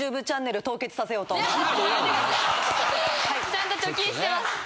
ちゃんと貯金してます。